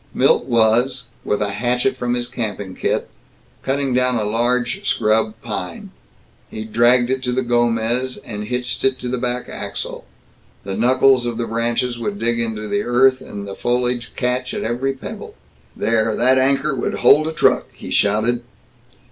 Milt was, with a hatchet from his camping kit, cutting down a large scrub pine. He dragged it to the Gomez and hitched it to the back axle. The knuckles of the branches would dig into the earth, the foliage catch at every pebble. "There! That anchor would hold a truck!" he shouted.